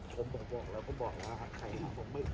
ผมไม่กล้าด้วยผมไม่กล้าด้วยผมไม่กล้าด้วย